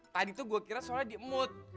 tadi tuh gue kira soalnya diemut